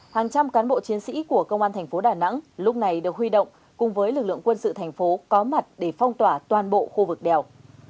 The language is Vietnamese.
hàng trăm cán bộ chiến sĩ của công an thành phố đà nẵng lúc này được huy động cùng với lực lượng quân sự thành phố có mặt để phong tỏa toàn bộ khu vực đèo